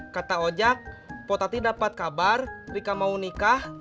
kata ojek potati dapat kabar rika mau nikah